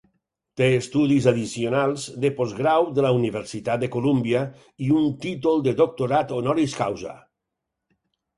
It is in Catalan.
Té estudis addicionals de postgrau de la Universitat de Columbia i un títol de doctorat honoris causa.